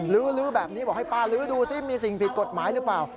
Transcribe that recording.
ลื้อแบบนี้บอกให้ป้าลื้อดูซิมีสิ่งผิดกฎหมายหรือเปล่า